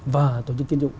và tổ chức kiến trúc